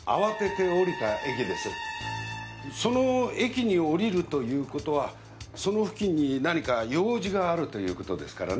その駅に降りるという事はその付近に何か用事があるという事ですからね。